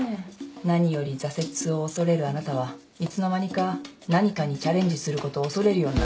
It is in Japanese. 何より挫折を恐れるあなたはいつの間にか何かにチャレンジすることを恐れるようになった。